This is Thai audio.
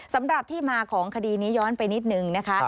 สำหรับที่มาของคดีนี้ย้อนไปนิดนึงนะคะ